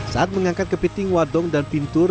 saat mengangkat kepiting wadong dan pintur